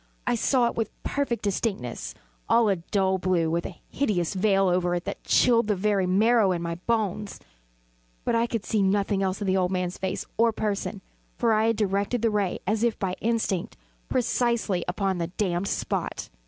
I saw it with perfect distinctness all a dull blue, with a hideous veil over it that chilled the very marrow in my bones; but I could see nothing else of the old man's face or person: for I had directed the ray as if by instinct, precisely upon the damned spot.